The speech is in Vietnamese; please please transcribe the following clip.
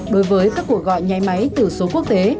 hai đối với các cuộc gọi nháy máy từ số quốc tế